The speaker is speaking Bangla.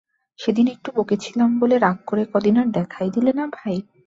সেদিন একটু বকেছিলাম বলে রাগ করে কদিন আর দেখাই দিলে না ভাই!